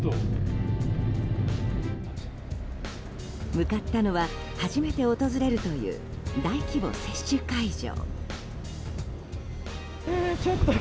向かったのは初めて訪れるという大規模接種会場。